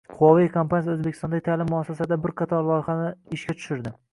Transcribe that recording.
Huawei kompaniyasi O‘zbekistondagi ta’lim muassasalarida bir qator loyihalarni ishga tushirdi